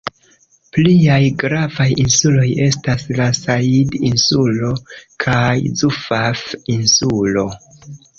Pliaj gravaj insuloj estas la Sajid-insulo kaj Zufaf-insulo.